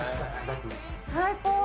最高。